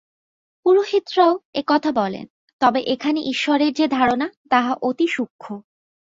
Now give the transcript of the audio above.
পুরোহিতরাও এ কথা বলেন, তবে এখানে ঈশ্বরের যে ধারণা, তাহা অতি সূক্ষ্ম।